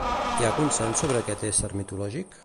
Hi ha consens sobre aquest ésser mitològic?